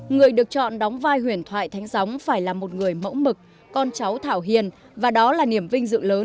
người được chọn đóng vai huyền thoại thánh gióng phải là một người mẫu mực con cháu thảo hiền và đó là niềm vinh dự lớn